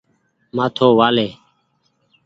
مآٿو وآ لي ۔